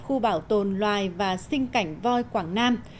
khu bảo tồn loài và sinh cảnh voi quảng nam